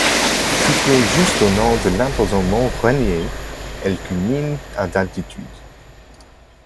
Située juste au nord de l’imposant mont Rainier, elle culmine à d’altitude.